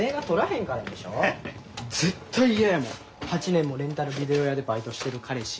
絶対嫌やもん８年もレンタルビデオ屋でバイトしてる彼氏。